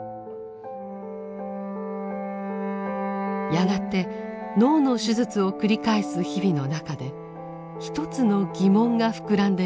やがて脳の手術を繰り返す日々の中で一つの疑問が膨らんでいきます。